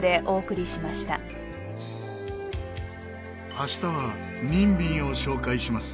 明日はニンビンを紹介します。